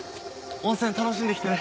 温泉楽しんできてね。